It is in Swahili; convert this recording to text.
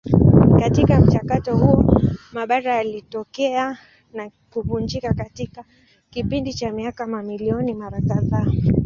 Katika mchakato huo mabara yalitokea na kuvunjika katika kipindi cha miaka mamilioni mara kadhaa.